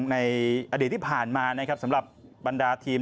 ในอดีตที่ผ่านมานะครับสำหรับบรรดาทีม